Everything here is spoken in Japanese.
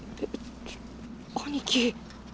兄貴。